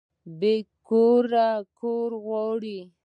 بې کوره کور غواړي